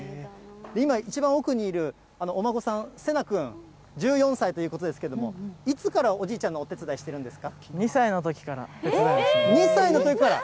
今、一番奥にいるお孫さん、せな君１４歳ということですけれども、いつからおじいちゃんのお２歳のときから、手伝いをし２歳のときから？